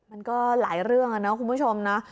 มันก็หลายเรื่องนะคุณผู้ชมนะ